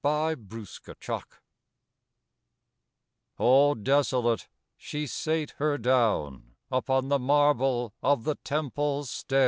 BEFORE THE TEMPLE I All desolate she sate her down Upon the marble of the temple's stair.